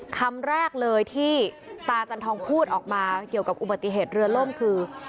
คำแรกเลยที่ตาจันทองพูดออกมาเกี่ยวกับอุบัติเหตุเรือล่มคือ